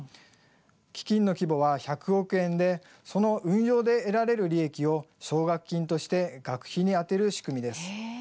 基金の規模は１００億円でその運用で得られる利益を奨学金として学費に充てる仕組みです。